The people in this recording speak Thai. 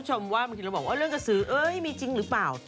ต่อมาถามผู้ชมว่าเรื่องกระสือเอ้ยมีจริงหรือเปล่า